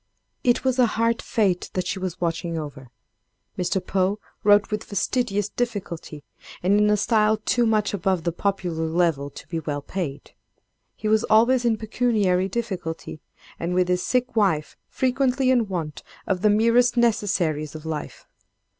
It was a hard fate that she was watching over. Mr. Poe wrote with fastidious difficulty, and in a style too much above the popular level to be well paid. He was always in pecuniary difficulty, and, with his sick wife, frequently in want of the merest necessaries of life.